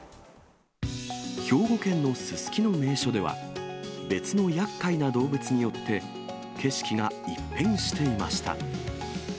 兵庫県のススキの名所では、別のやっかいな動物によって、景色が一変していました。